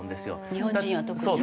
日本人は特にね。